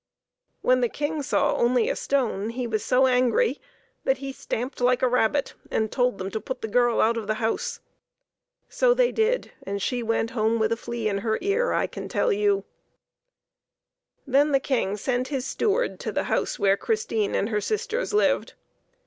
When the King saw only a stone he was so angry that he stamped like a rabbit and told them to put the girl out of the house. So they did, and she went home with a flea in her ear, I can tell you. Then the King sent his steward to the house where Christine and her sisters lived.